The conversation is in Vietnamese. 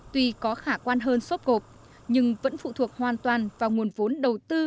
tuy có khả quan hơn xốp gộp nhưng vẫn phụ thuộc hoàn toàn vào nguồn vốn đầu tư